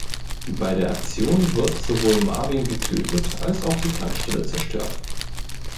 Bei der Aktion wird sowohl Marvin getötet als auch die Tankstelle zerstört.